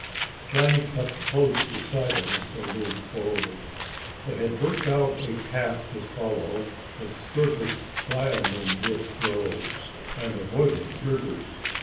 Johnny kept close beside him as they moved forward. They had worked out a path to follow that skirted diamond wood groves and avoided rivers.